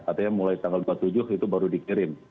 artinya mulai tanggal dua puluh tujuh itu baru dikirim